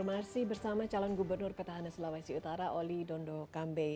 masih bersama calon gubernur petahana sulawesi utara oli dondokabe